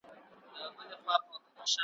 يوولسمه نکته.